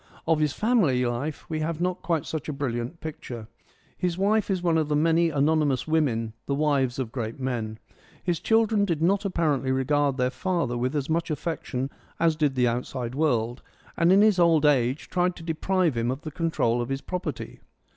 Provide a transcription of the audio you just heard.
Of his family life we have not quite such a brilliant picture. His wife is one of the many anonymous women, the wives of great men. His children did not apparently regard their father with as much affection as did the outside world, and in his old age tried to deprive him of the control of his property.